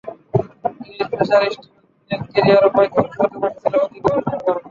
English pacer Steven ফিনের ক্যারিয়ারও প্রায় ধ্বংস হতে বসেছিল অতি গবেষণার কারণে।